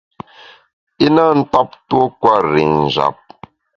I na ntap tuo kwer i njap.